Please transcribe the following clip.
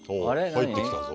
入ってきたぞ。